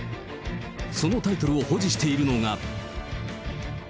そのタイトルを保持しているのが。